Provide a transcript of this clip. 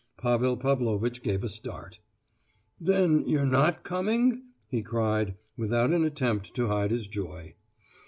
Pavel Pavlovitch gave a start. "Then you're not coming?" he cried, without an attempt to hide his joy.